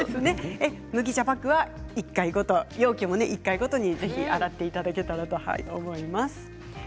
麦茶パックは１回ごと容器も１回ごとに洗っていただければと思います。